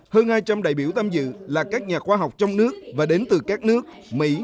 hơn hai trăm linh đại biểu tham dự là các nhà khoa học trong nước và đến từ các nước mỹ